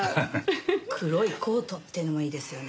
黒いコートっていうのもいいですよね。